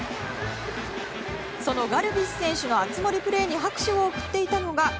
そのガルビス選手の熱盛プレーに拍手を送っていたのが